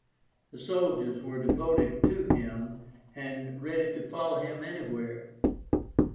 The soldiers were devoted to him, and ready to follow him anywhere.